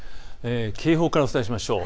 警報からお伝えしましょう。